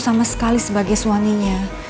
sama sekali sebagai suaminya